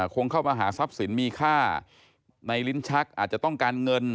คงเข้ามาหาทรัพย์สินมีค่าในลิ้นชักอาจจะต้องการเงิน